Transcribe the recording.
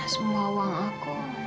semua uang aku